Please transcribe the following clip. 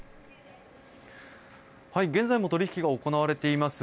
現在も取引が行われています